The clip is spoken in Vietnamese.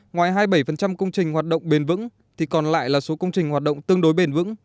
ngoài hai mươi bảy công trình hoạt động bền vững thì còn lại là số công trình hoạt động tương đối bền vững